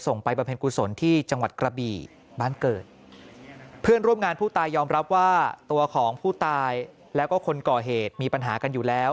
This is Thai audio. ไปประเภนกุศลที่จังหวัดกระบี่บ้านเกิดเพื่อนร่วมงานผู้ตายยอมรับว่าตัวของผู้ตายแล้วก็คนก่อเหตุมีปัญหากันอยู่แล้ว